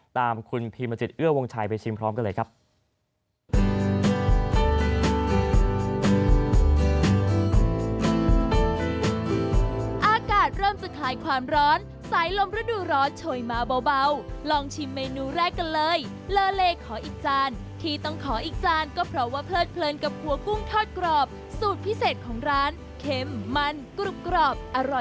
ตามคุณพิมจิตเอื้อวงชัยไปชิมพร้อมกันเลยครับ